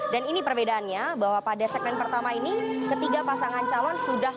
dan ini perbedaannya bahwa pada segmen pertama ini ketiga pasangan calon sudah